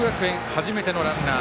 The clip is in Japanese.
初めてのランナー。